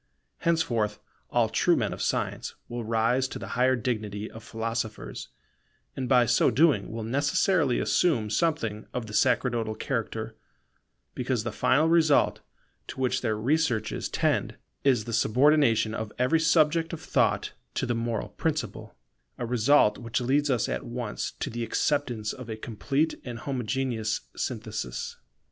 Henceforth all true men of science will rise to the higher dignity of philosophers, and by so doing will necessarily assume something of the sacerdotal character, because the final result to which their researches tend is the subordination of every subject of thought to the moral principle; a result which leads us at once to the acceptance of a complete and homogeneous synthesis.